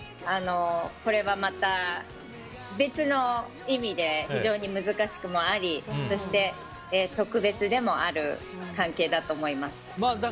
これはまた別の意味で非常に難しくもありそして特別でもある関係だと思います。